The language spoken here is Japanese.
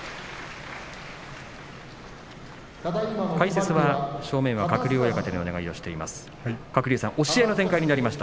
解説は正面は鶴竜親方にお願いをしています。